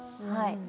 はい。